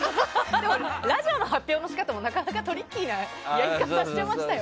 ラジオの発表の仕方もなかなかトリッキーなやり方をしていましたね。